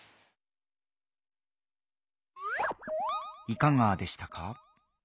いかがでしたか？